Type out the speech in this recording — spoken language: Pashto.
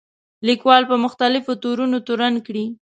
لیکوال په مختلفو تورونو تورن کړي.